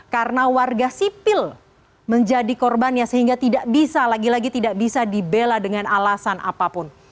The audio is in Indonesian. karena warga sipil menjadi korban ya sehingga tidak bisa lagi lagi tidak bisa dibela dengan alasan apapun